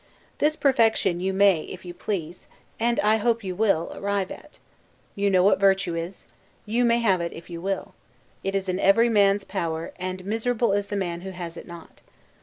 This perfection you may, if you please, and I hope you will, arrive at. You know what virtue is: you may have it if you will; it is in every man's power; and miserable is the man who has it not.